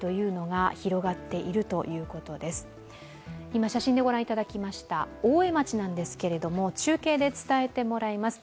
今、写真でご覧いただきました大江町ですが中継で伝えてもらいます。